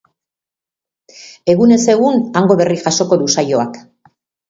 Egunez egun hango berri jasoko du saioak.